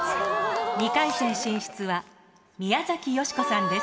２回戦進出は宮崎美子さんです。